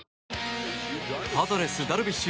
パドレス、ダルビッシュ